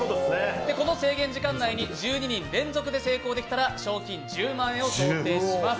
この制限時間内に１２人連続で成功できたら賞金１０万円を差し上げます。